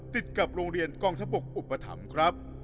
ติดกับโรงเรียนกองทบกอุปถัมภ์ครับ